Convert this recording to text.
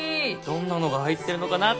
どんなのが入ってるのかな？